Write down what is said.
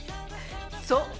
そう。